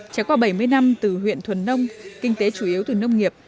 trải qua bảy mươi năm từ huyện thuần nông kinh tế chủ yếu từ nông nghiệp